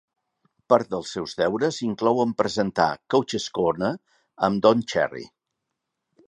Part dels seus deures inclouen presentar "Coach's Corner" amb Don Cherry.